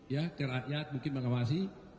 ya ke rakyat mungkin mengawasi